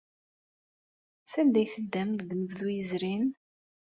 Sanda ay teddam deg unebdu yezrin?